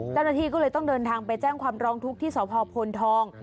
เจ้าหน้าที่ก็เลยต้องเดินทางไปแจ้งความร้องทุกข์ที่สพพลทอง